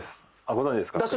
ご存じですか？